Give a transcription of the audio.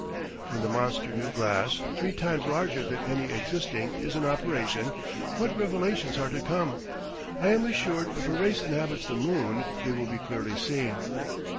When the monster new glass, three times larger than any existing, is in operation, what revelations are to come! I am assured if a race inhabits the moon they will be clearly seen.